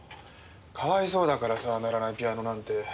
かわいそうだからさ鳴らないピアノなんて。